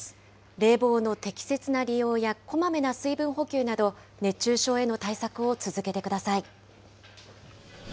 冷房の適切な利用やこまめな水分補給など、熱中症への対策を続けてください。